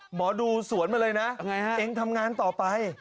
หมอดูสวนมาเลยนะเองทำงานต่อไป